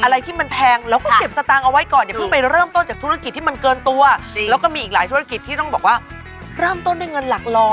ลูกต่างไม่ใช่ของคุณแม่ของอดีต